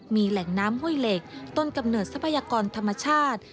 มีแหล่งน้ำห้วยเหล็กต้นกำเนิดทรัพยากรธรรมชาติ